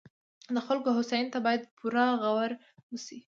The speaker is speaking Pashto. د خلکو هوساینې ته باید پوره غور وشي.